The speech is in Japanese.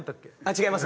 違います。